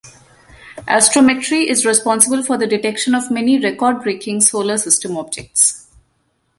Astrometry is responsible for the detection of many record-breaking Solar System objects.